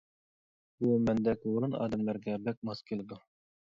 بۇ، مەندەك ھۇرۇن ئادەملەرگە بەك ماس كېلىدۇ.